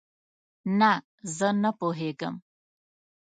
نه، زه نه پوهیږم